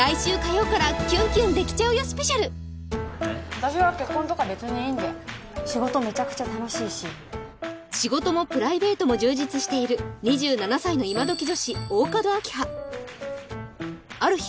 私は結婚とか別にいいんで仕事メチャクチャ楽しいし仕事もプライベートも充実している２７歳のイマドキ女子大加戸明葉ある日